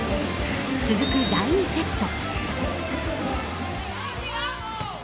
続く第２セット。